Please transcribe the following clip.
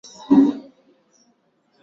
Pigo linalopenya moyoni kama kichomi